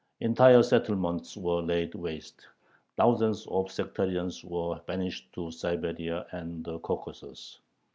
Entire settlements were laid waste, thousands of sectarians were banished to Siberia and the Caucasus.